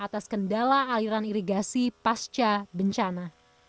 atas kendala aliran irigasi pasca bencana